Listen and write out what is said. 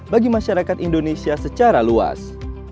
bagi masyarakat indonesia secara luas